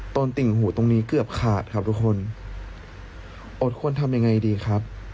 ติ่งหูตรงนี้เกือบขาดครับทุกคนอดควรทำยังไงดีครับ